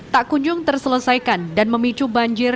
tak kunjung terselesaikan dan memicu banjir